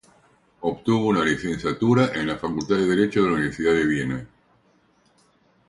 Obtuvo una licenciatura en la Facultad de Derecho de la Universidad de Viena.